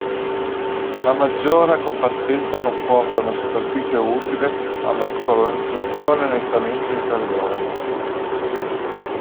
La maggiore compattezza comporta una superficie utile alla colonizzazione nettamente inferiore.